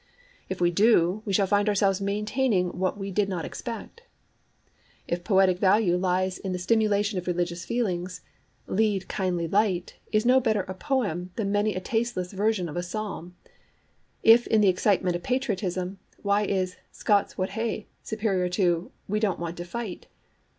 If we do, we shall find ourselves maintaining what we did not expect. If poetic value lies in the stimulation of religious feelings, Lead, kindly Light is no better a poem than many a tasteless version of a Psalm: if in the excitement of patriotism, why is Scots, wha hae superior to We don't want to fight?